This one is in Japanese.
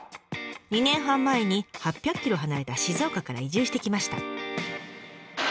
２年半前に８００ｋｍ離れた静岡から移住してきました。